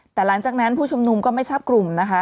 แต่หลังจากนั้นผู้ชุมนุมก็ไม่ทราบกลุ่มนะคะ